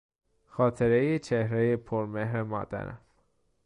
خاطرهی چهرهی پر مهر مادرم